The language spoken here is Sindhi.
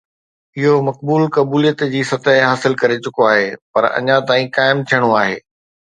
اهو مقبول قبوليت جي سطح حاصل ڪري چڪو آهي پر اڃا تائين قائم ٿيڻو آهي.